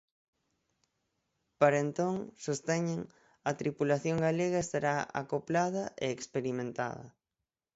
Para entón, sosteñen, a tripulación galega estará acoplada e experimentada.